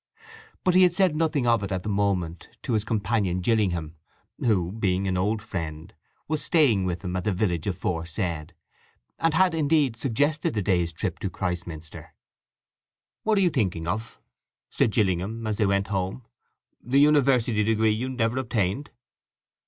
But he had said nothing of it at the moment to his companion Gillingham, who, being an old friend, was staying with him at the village aforesaid, and had, indeed, suggested the day's trip to Christminster. "What are you thinking of?" said Gillingham, as they went home. "The university degree you never obtained?"